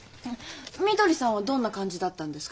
みどりさんはどんな感じだったんですか